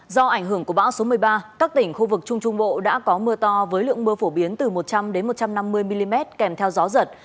do ảnh hưởng của bão số một mươi ba các tỉnh khu vực trung trung bộ đã có mưa to với lượng mưa phổ biến từ một trăm linh một trăm năm mươi mm kèm theo gió giật